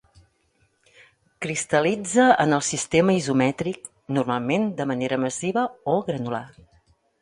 Cristal·litza en el sistema isomètric, normalment de manera massiva o granular.